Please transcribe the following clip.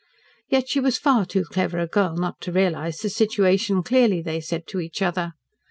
Yet, she was far too clever a girl not to realise the situation clearly, they said to each other.